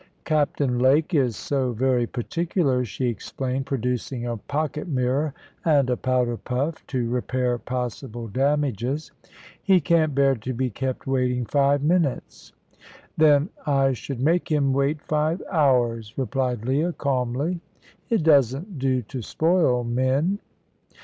"Captain Lake is so very particular," she explained, producing a pocket mirror and a powder puff to repair possible damages. "He can't bear to be kept waiting five minutes." "Then I should make him wait five hours," replied Leah, calmly. "It doesn't do to spoil men."